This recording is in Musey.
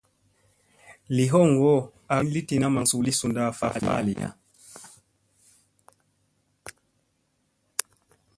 Li hoŋgo ak hin li tina maŋ suu li sunda faliya.